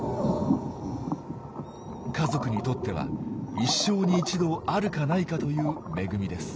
家族にとっては一生に一度あるかないかという恵みです。